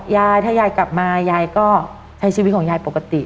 ยายถ้ายายกลับมายายก็ใช้ชีวิตของยายปกติ